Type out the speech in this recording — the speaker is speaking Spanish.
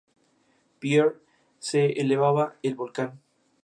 Pierre se elevaba el volcán.